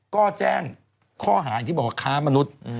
ก็แจ้งข้อหาอย่างที่บอกว่าค้ามนุษย์